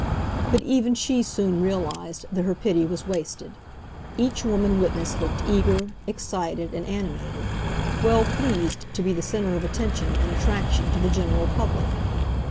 But even she soon realised that her pity was wasted. Each woman witness looked eager, excited, and animated; well pleased to be the centre of attention and attraction to the general public.